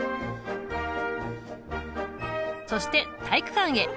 そして体育館へ！